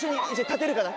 立てるかな？